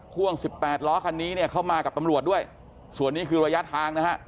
พ่วง๑๘ล้อคันนี้เนี่ยเข้ามากับตำรวจด้วยส่วนนี้คือระยะทางนะฮะ